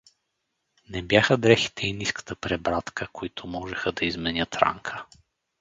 Не бяха дрехите и ниската пребрадка, които можеха да изменят Ранка.